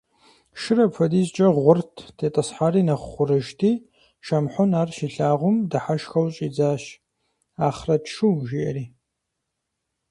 Шыр апхуэдизкӀэ гъурт, тетӀысхьари нэхъ гъурыжти, Шамхьун ар щилъагъум, дыхьэшхыу щӀидзащ, «Ахърэт шу» жиӀэри.